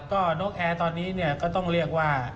ก็นกแอร์ตอนนี้เนี่ยก็ต้องเรียกว่า